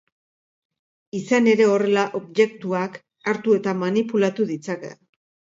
Izan ere, horrela objektuak hartu eta manipulatu ditzake.